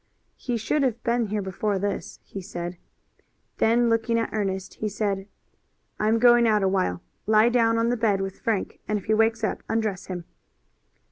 "He should have been here before this," he said. Then looking at Ernest he said: "I am going out a while. Lie down on the bed with Frank and if he wakes up undress him."